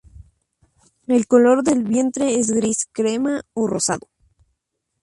El color del vientre es gris, crema o rosado.